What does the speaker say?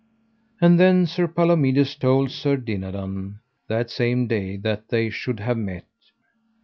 And then Sir Palomides told Sir Dinadan the same day that they should have met.